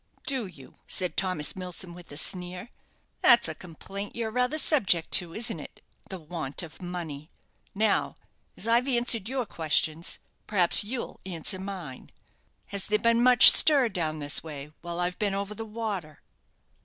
"Do you?" said Thomas Milsom, with a sneer. "That's a complaint you're rather subject to, isn't it the want of money? Now, as I've answered your questions, perhaps you'll answer mine. Has there been much stir down this way while I've been over the water?"